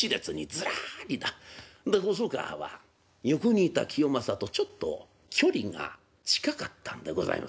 で細川は横にいた清正とちょっと距離が近かったんでございますね。